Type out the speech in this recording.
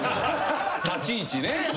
立ち位置ね。